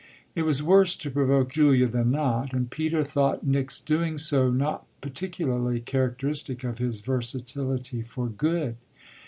It was worse to provoke Julia than not, and Peter thought Nick's doing so not particularly characteristic of his versatility for good.